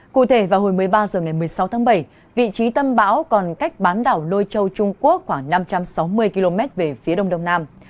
cụ thể vào hồi một mươi ba h ngày một mươi sáu tháng bảy vị trí tâm bão còn cách bán đảo lôi châu trung quốc khoảng năm trăm sáu mươi km về phía đông đông nam